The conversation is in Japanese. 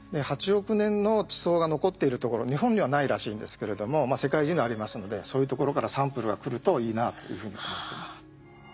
８億年の地層が残っているところ日本にはないらしいんですけれども世界中にありますのでそういうところからサンプルが来るといいなというふうに思ってます。